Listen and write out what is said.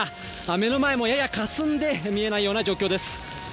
目の前もややかすんで見えないような状況です。